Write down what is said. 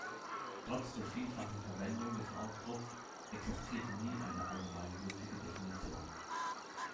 Trotz der vielfachen Verwendung des Ausdrucks existierte nie eine allgemeingültige Definition.